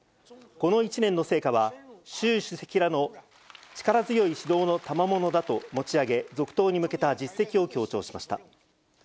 この１年の成果は、習主席らの力強い指導のたまものだと持ち上げ、続投に向けた実績を強調しました。